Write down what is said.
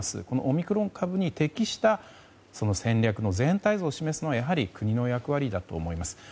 このオミクロン株に適した戦略の全体像を示すのはやはり国の役割だと思います。